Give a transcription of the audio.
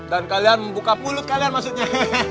dan kalian membuka mulut kalian maksudnya